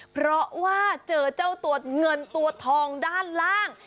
เพราะว่าเจอเจ้าตัวเงินตัวทองด้านล่าง